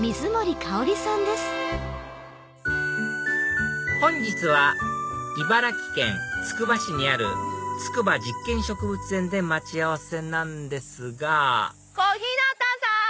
医療、本日は茨城県つくば市にある筑波実験植物園で待ち合わせなんですが小日向さん！